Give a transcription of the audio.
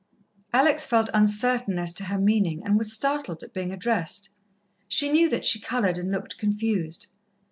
Alex felt uncertain as to her meaning, and was startled at being addressed. She knew that she coloured and looked confused.